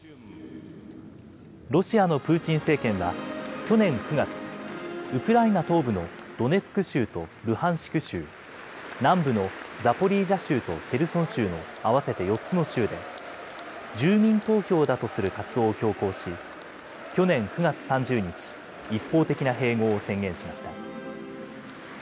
ロシアのプーチン政権は去年９月、ウクライナ東部のドネツク州とルハンシク州、南部のザポリージャ州とヘルソン州の合わせて４つの州で、住民投票だとする活動を強行し、去年９月３０日、一方的な併合を宣言しました。